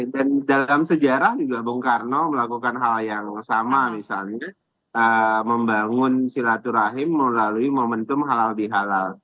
dan dalam sejarah juga bung karno melakukan hal yang sama misalnya membangun silaturahim melalui momentum halal di halal